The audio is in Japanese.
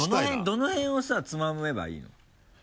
どの辺をさつまめばいいの？